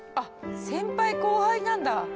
先輩後輩なんだ。